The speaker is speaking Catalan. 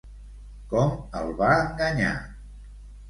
Com el va enganyar?